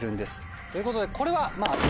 ということでこれはまぁ。